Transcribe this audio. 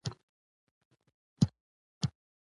چې لوستونکی او اورېدونکی دې ته هڅوي